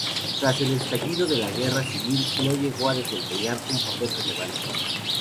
Tras el estallido de la Guerra civil no llegó a desempeñar un papel relevante.